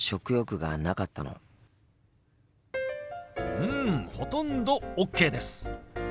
うんほとんどＯＫです。